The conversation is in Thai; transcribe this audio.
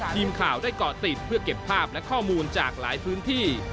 ทีมข่าวได้เกาะติดเพื่อเก็บภาพและข้อมูลจากหลายพื้นที่